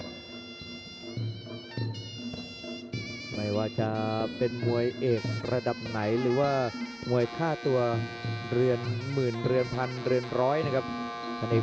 หมายว่าจะเป็นมวยเอกระดับไหนหรือว่ามวยฆ่าตัวเรือนหมื่นเรือนพันเรือนเปรี้ยุบันเรือนร้อยนะครับ